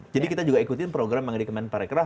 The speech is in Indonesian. jadi kita juga ikutin program yang dikemenin pak rekrah